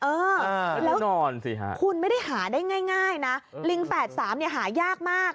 เออแล้วคุณไม่ได้หาได้ง่ายนะลิงแฝด๓หายากมาก